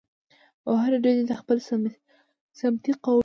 او هرې ډلې د خپل سمتي، قومي